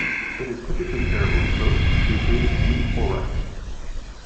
It is typically served with toast, seafood, meat or rice.